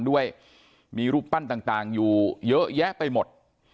ด้วยมีรูปปั้นต่างอยู่เยอะแยะไปหมด